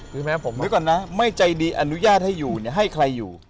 นึกก่อนนะไม่ใจดีอนุญาตให้อยู่เนี่ยให้ใครอยู่